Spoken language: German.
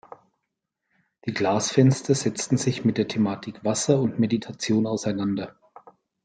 Die Glasfenster setzten sich mit der Thematik Wasser und Meditation auseinander.